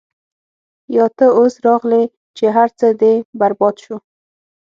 يا تۀ اوس راغلې چې هر څۀ دې برباد شو -